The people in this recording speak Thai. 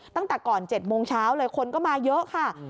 ตั้งแต่ก่อน๗โมงเช้าเลยคนก็มาเยอะค่ะ